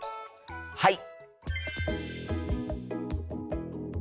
はい！